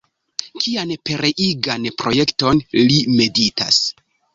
Kian pereigan projekton li meditas?